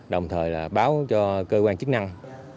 đồng thời báo cho cơ quan chức năng